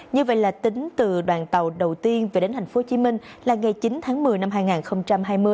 như vậy là tính từ đoàn tàu đầu tiên về đến tp hcm là ngày chín tháng một mươi năm hai nghìn hai mươi